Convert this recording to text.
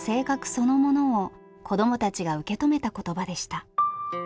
そのものを子どもたちが受け止めた言葉でした。